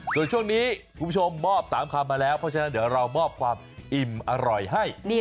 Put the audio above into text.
ส่วนช่วงนี้คุณผู้ชมมอบ๓คำมาแล้วเพราะฉะนั้นเดี๋ยวเรามอบความอิ่มอร่อยให้